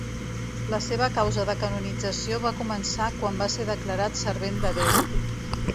La seva causa de canonització va començar quan va ser declarat Servent de Déu.